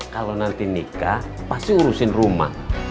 kalau nanti nikah pasti ngurusin rumah